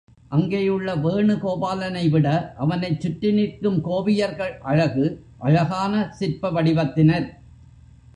அங்கே உள்ள வேணுகோபாலனை விட அவனைச் சுற்றி நிற்கும் கோபியர்கள் அழகு அழகான சிற்ப வடிவத்தினர்.